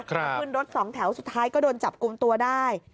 มาขึ้นรถสองแถวสุดท้ายก็โดนจับกลุ่มตัวได้